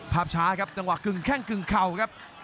ภาพช้าครับจังหวะกึ่งแข้งกึ่งเข่าครับ